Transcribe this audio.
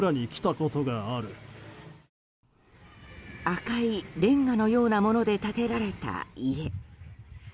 赤いレンガのようなもので建てられた家。